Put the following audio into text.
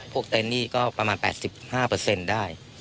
พวกเต็นต์นี่ก็ประมาณแปดสิบห้าเปอร์เซ็นต์ได้